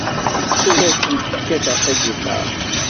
Ur asent-kkateɣ tagiṭart.